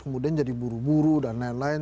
kemudian jadi buru buru dan lain lain